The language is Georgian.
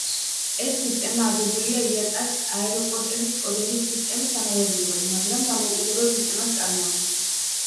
ეს სისტემა აგებულია იატა-ს აეროპორტების კოდების სისტემის ანალოგიურად, მაგრამ დამოუკიდებელ სისტემას წარმოადგენს.